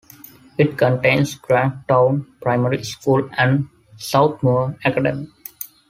It contains Grangetown Primary School and Southmoor Academy.